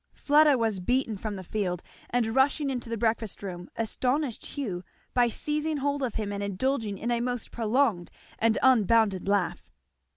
Fleda was beaten from the field, and rushing into the breakfast room astonished Hugh by seizing hold of him and indulging in a most prolonged and unbounded laugh.